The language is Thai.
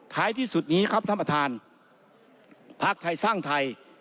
ท้ายที่สุดนี้ครับท่านประธานภาคไทยสร้างไทย